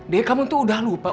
deh kamu tuh udah lupa